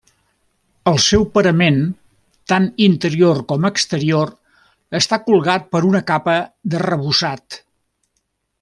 El seu parament, tant interior com exterior, està colgat per una capa d'arrebossat.